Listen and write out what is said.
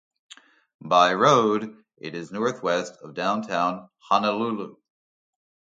By road it is northwest of downtown Honolulu.